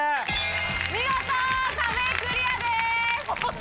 見事壁クリアです！